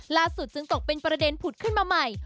จึงตกเป็นประเด็นผุดขึ้นมาใหม่